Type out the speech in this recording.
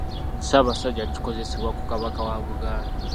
Ssaabasajja kikozesebwa ku Kabaka wa Buganda